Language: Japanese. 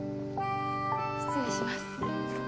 失礼します。